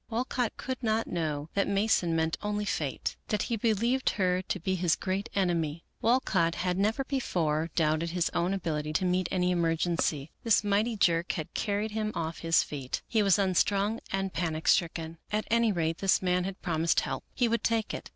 Walcott could not know that Mason meant only Fate, that he be lieved her to be his great enemy. Walcott had never before doubted his own ability to meet any emergency. This mighty jerk had carried him off his feet. He was unstrung and panic stricken. At any rate this man had promised help. He would take it.